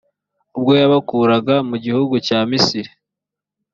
ubwo yabakuraga mu gihugu cya misiri.